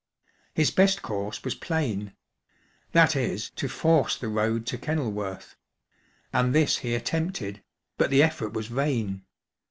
His best course was plain — ^t. e ., to force the road to Kenil worth \ and this he attempted, but the effort was vain.